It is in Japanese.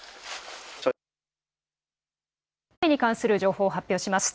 ここで、大雨に関する情報を発表します。